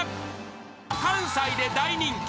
［関西で大人気］